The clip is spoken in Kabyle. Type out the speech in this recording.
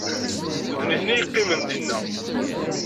D nitni i yeqqimen dinna